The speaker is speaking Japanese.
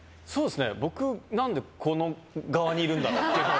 僕、何でこの側にいるんだろうって。